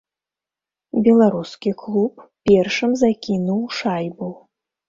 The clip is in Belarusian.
Беларускі клуб першым закінуў шайбу.